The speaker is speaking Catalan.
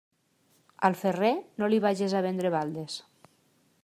Al ferrer, no li vages a vendre baldes.